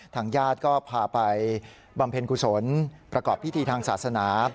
ทางญาติก็พาไปบำเพ็ญกุศลประกอบพิธีทางศาสนา